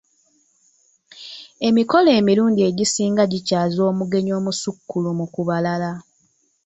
Emikolo emirundi egisinga gikyaza omugenyi omusukkulumu ku balala.